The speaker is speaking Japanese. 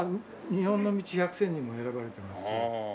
日本の道１００選にも選ばれてますし。